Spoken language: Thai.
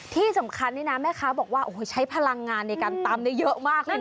ที่สำคัญนี่นะแม่ค้าบอกว่าโอ้โหใช้พลังงานในการตำได้เยอะมากเลยนะ